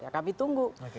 ya kami tunggu